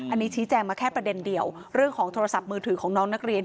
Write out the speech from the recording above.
อันนี้ชี้แจงมาแค่ประเด็นเดียวเรื่องของโทรศัพท์มือถือของน้องนักเรียน